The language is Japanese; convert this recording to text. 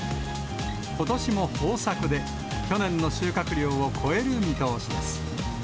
ことしも豊作で、去年の収穫量を超える見通しです。